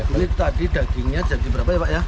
ini tadi dagingnya jadi berapa ya pak ya